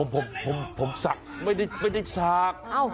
ผมศักดิ์ไม่ได้สัก